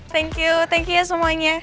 thank you thank you semuanya